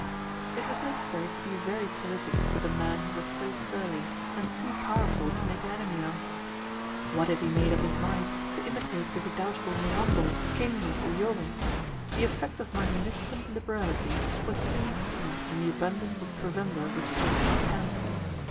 It was necessary to be very politic with a man who was so surly, and too powerful to make an enemy of. What if he made up his mind to imitate the redoubtable Mirambo, King of Uyoweh! The effect of my munificent liberality was soon seen in the abundance of provender which came to my camp.